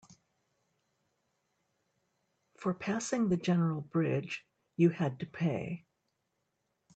For passing the general bridge, you had to pay.